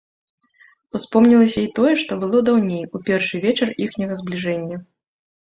Успомнілася і тое, што было даўней у першы вечар іхняга збліжэння.